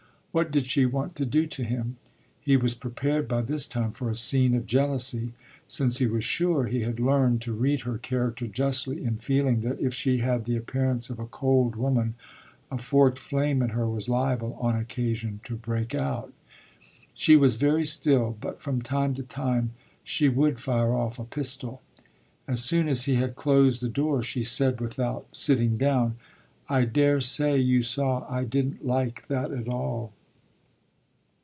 What did she want to do to him? He was prepared by this time for a scene of jealousy, since he was sure he had learned to read her character justly in feeling that if she had the appearance of a cold woman a forked flame in her was liable on occasion to break out. She was very still, but from time to time she would fire off a pistol. As soon as he had closed the door she said without sitting down: "I daresay you saw I didn't like that at all."